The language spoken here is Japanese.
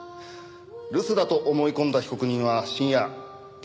留守だと思い込んだ被告人は深夜現場へ侵入。